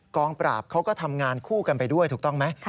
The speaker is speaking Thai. กองปราบเขาก็ทำงานคู่กันไปด้วยถูกต้องไหม